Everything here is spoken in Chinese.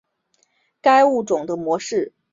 该物种的模式产地在欧洲。